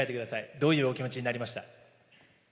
どういうお気持ちになりました？